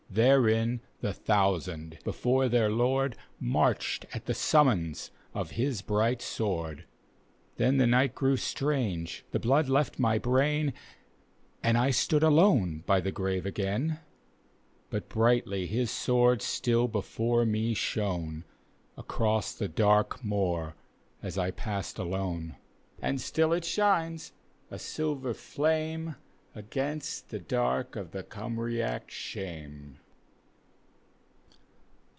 Therein the thousand, before their Lord, Marched at the summons of his bright sword. Then the ni^t grew strange, the blood left my brain, And I stood alone by the grave again. But brightly his sword still before me shon^ Across the dark moor as I passed alone. And still it shines, a silver flame, Across the dark night of the Cymraec shame.